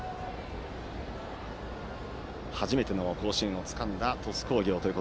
初めての甲子園をつかんだ鳥栖工業。